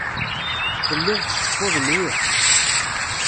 Telliḍ tceffuḍ mliḥ.